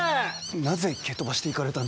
なぜ蹴飛ばしていかれたんじゃ。